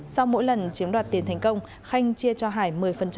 sau mỗi lần chiếm đoạt tiền thành công khanh chia cho hải một mươi